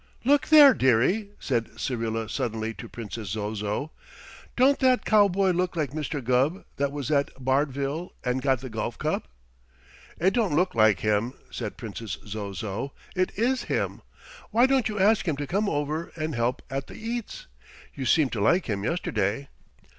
"Look there, dearie," said Syrilla suddenly to Princess Zozo, "don't that cowboy look like Mr. Gubb that was at Bardville and got the golf cup?" "It don't look like him," said Princess Zozo; "it is him. Why don't you ask him to come over and help at the eats? You seemed to like him yesterday."